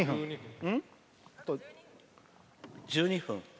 １２分？